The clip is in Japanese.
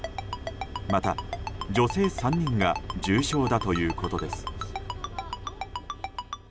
また女性３人が重傷だということです。